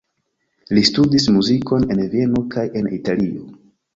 Li studis muzikon en Vieno kaj en Italio.